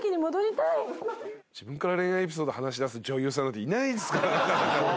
自分から恋愛エピソード話しだす女優さんなんていないですからね。